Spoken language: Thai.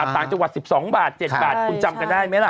ต่างจังหวัด๑๒บาท๗บาทคุณจำกันได้ไหมล่ะ